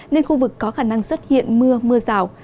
nên khu vực có khả năng xuất hiện mưa mưa rào